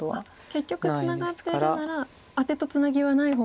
結局ツナがってるならアテとツナギはない方が。